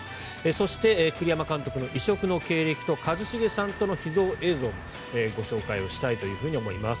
そして、栗山監督の異色の経歴と一茂さんとの秘蔵映像もご紹介をしたいと思います。